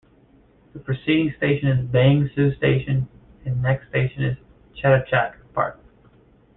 The preceding station is Bang Sue Station and next station is Chatuchak Park.